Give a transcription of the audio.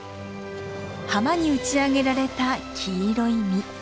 浜に打ち上げられた黄色い実。